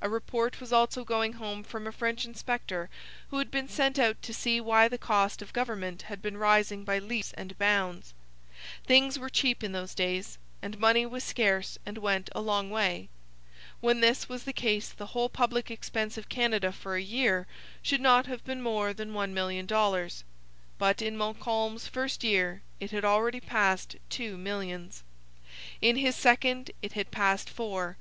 A report was also going home from a French inspector who had been sent out to see why the cost of government had been rising by leaps and bounds. Things were cheap in those days, and money was scarce and went a long way. When this was the case the whole public expense of Canada for a year should not have been more than one million dollars. But in Montcalm's first year it had already passed two millions. In his second it had passed four.